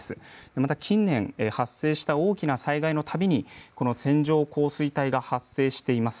また、近年発生した大きな災害のたびにこの線状降水帯が発生しています。